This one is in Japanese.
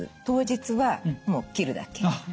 当日はもう切るだけ。